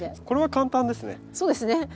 これは簡単ですね。